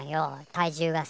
体重がさ。